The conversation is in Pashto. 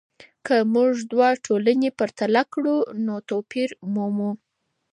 که موږ دوه ټولنې پرتله کړو نو توپیر مومو.